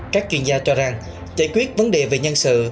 các chuyên gia cho rằng giải quyết vấn đề về nhân sự